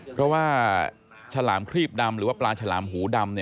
เพราะว่าฉลามครีบดำหรือว่าปลาฉลามหูดำ